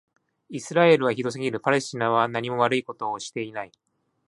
イスラエルはひどすぎる。パレスチナはなにも悪いことをしていない。